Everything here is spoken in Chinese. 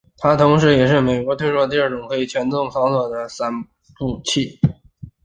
它同时也是美国推出的第二种可以全自动操作的洒布器。